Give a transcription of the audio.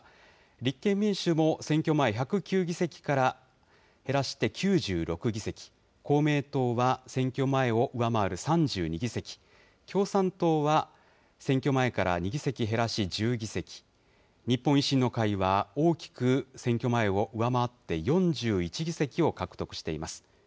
立憲民主も選挙前、１０９議席から減らして９６議席、公明党は選挙前を上回る３２議席、共産党は選挙前から２議席減らし１０議席、日本維新の会は、大きく選挙前を上回って４１議席を獲得しています。